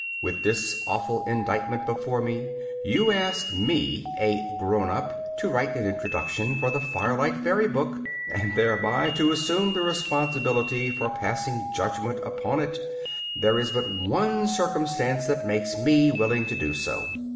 With this awful indictment before me, you ask me, a "grown up," to write an introduction for the "Firelight Fairy Book," and thereby to assume the responsibility for passing judgment upon it. There is but one circumstance that makes me willing to do so.